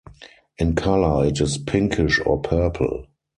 In colour it is pinkish or purple.